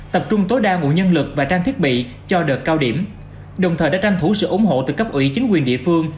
tập trung tối đa nguồn nhân lực và trang thiết bị cho đợt cao điểm đồng thời đã tranh thủ sự ủng hộ từ cấp ủy chính quyền địa phương